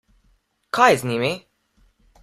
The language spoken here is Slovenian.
Kaj je z njimi?